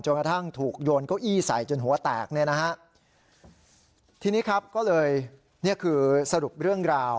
กระทั่งถูกโยนเก้าอี้ใส่จนหัวแตกเนี่ยนะฮะทีนี้ครับก็เลยนี่คือสรุปเรื่องราว